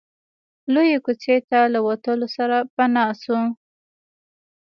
لويې کوڅې ته له وتلو سره پناه شو.